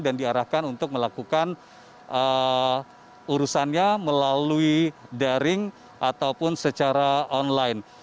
dan diarahkan untuk melakukan urusannya melalui daring ataupun secara online